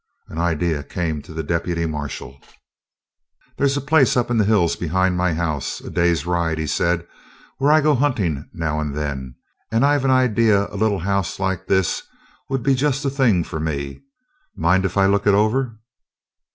An idea came to the deputy marshal. "There's a place up in the hills behind my house, a day's ride," he said, "where I go hunting now and then, and I've an idea a little house like this would be just the thing for me. Mind if I look it over?"